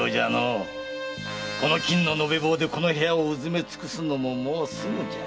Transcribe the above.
この金の延べ棒でこの部屋を埋めつくすのももうすぐじゃ。